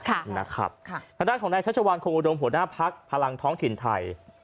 ทางด้านของนายชัชวานคงอุดมหัวหน้าพักพลังท้องถิ่นไทย